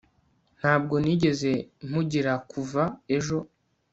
ntabwo nigeze mpugira kuva ejo